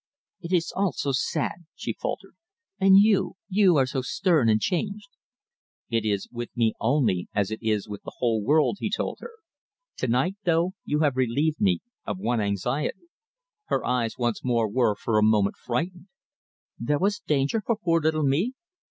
"It is all so sad," she faltered, "and you you are so stern and changed." "It is with me only as it is with the whole world," he told her. "To night, though, you have relieved me of one anxiety." Her eyes once more were for a moment frightened. "There was danger for poor little me?"